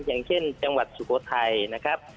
อย่างเช่นจังหวัดสุโขทัยนะครับ